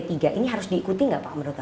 ini harus diikuti nggak pak menurut anda